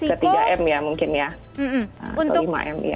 kembali ke tiga m ya mungkin ya atau lima m ya